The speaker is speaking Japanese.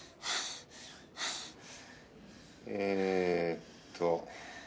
えーっと。